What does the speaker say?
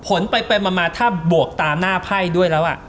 ผลไปมาถ้าบวกตามหน้าไพ่ด้วยแล้ว